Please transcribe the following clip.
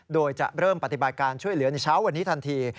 โดยจะเริ่มปฏิบัติการช่วยเหลือในเช้าวันนี้ทันที